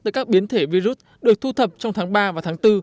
tới các biến thể virus được thu thập trong tháng ba và tháng bốn